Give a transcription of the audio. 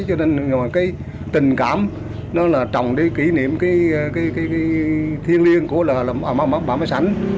cho nên cái tình cảm nó là trồng để kỷ niệm cái thiêng liêng của bác má sảnh